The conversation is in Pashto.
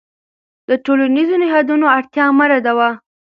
د ټولنیزو نهادونو اړتیا مه ردوه.